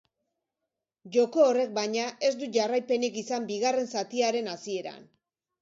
Joko horrek, baina, ez du jarraipenik izan bigarren zatiaren hasieran.